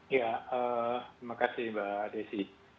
ya terima kasih mbak desi